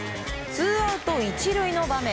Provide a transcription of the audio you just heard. ツーアウト１塁の場面。